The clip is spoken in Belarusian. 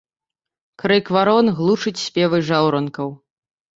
Крык варон глушыць спевы жаўранкаў.